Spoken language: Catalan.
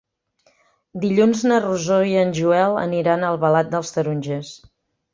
Dilluns na Rosó i en Joel aniran a Albalat dels Tarongers.